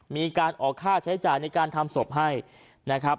มีการออกค่าใช้จ่ายในการทำศพให้นะครับ